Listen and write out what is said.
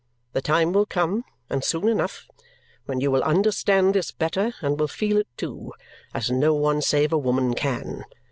The time will come and soon enough when you will understand this better and will feel it too, as no one save a woman can.